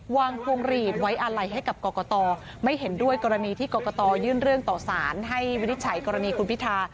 พวงหลีดไว้อะไรให้กับกรกตไม่เห็นด้วยกรณีที่กรกตยื่นเรื่องต่อสารให้วินิจฉัยกรณีคุณพิธา